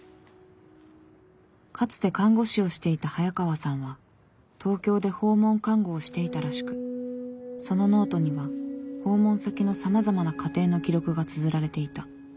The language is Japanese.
かつて看護師をしていた早川さんは東京で訪問看護をしていたらしくそのノートには訪問先のさまざまな家庭の記録がつづられていた。